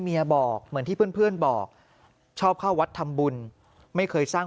บอกเหมือนที่เพื่อนบอกชอบเข้าวัดทำบุญไม่เคยสร้าง